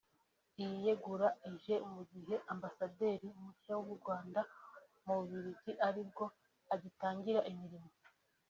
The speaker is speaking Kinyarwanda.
Iri yegura rije mu gihe ambasaderi mushya w’u Rwanda mu Bubiligi ari bwo agitangira imirimo